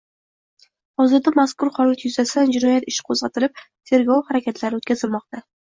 Hozirda mazkur holat yuzasidan jinoyat ishi qo‘zg‘atilib, tergov harakatlari o‘tkazilmoqda